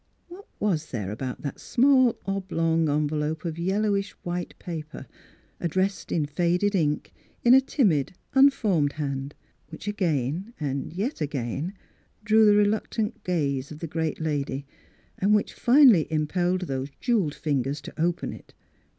What was there about that small oblong envelope of yellowish white paper, addressed in faded ink, in a timid, unformed hand, which again and yet again drew the reluctant gaze of the great lad}', and which finally impelled those jewelled fingers to open it?